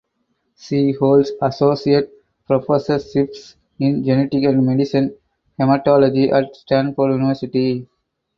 She holds associate professorships in Genetics and Medicine (Hematology) at Stanford University.